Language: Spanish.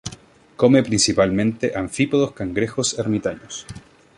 Come principalmente anfípodos cangrejos ermitaños.